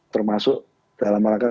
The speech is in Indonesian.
termasuk dalam rangka